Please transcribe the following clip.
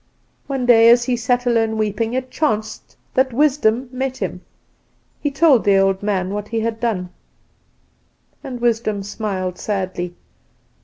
One day, as he sat alone weeping, it chanced that Wisdom met him. He told the old man what he had done. "And Wisdom smiled sadly.